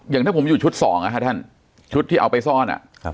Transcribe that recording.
อย่างถ้าผมอยู่ชุดสองนะฮะท่านชุดที่เอาไปซ่อน